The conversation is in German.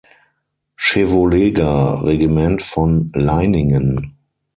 Chevauleger-Regiment „von Leiningen“.